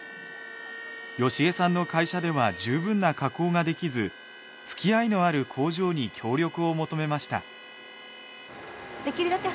好江さんの会社では十分な加工ができず付き合いのある工場に協力を求めました。